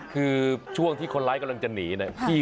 คือช่วงที่คนร้ายกำลังจะหนีเนี่ย